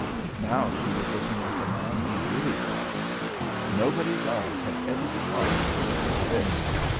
Now she was looking at the man he really was. Nobody's eyes had ever defied her like this.